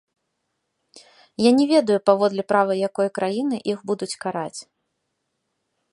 Я не ведаю, паводле права якой краіны іх будуць караць.